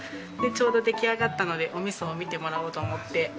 ちょうど出来上がったのでお味噌を見てもらおうと思って。